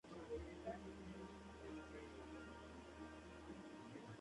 Era el único acceso ferroviario a la estación de Porto-Trindade.